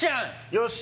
よし。